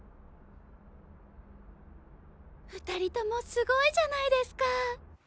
二人ともすごいじゃないですか！